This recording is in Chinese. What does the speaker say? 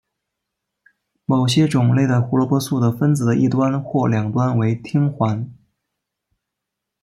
某些种类的胡萝卜素的分子的一端或两端为烃环。